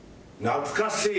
「懐かしい」。